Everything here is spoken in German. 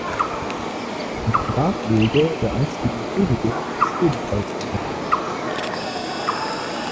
Die Grablege der einstigen Königin ist ebenfalls unbekannt.